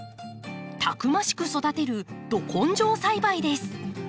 たくましく育てるど根性栽培です。